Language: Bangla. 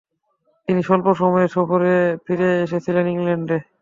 তিনি স্বল্পসময়ের সফরে ফিরে এসেছিলেন ইংল্যান্ডে।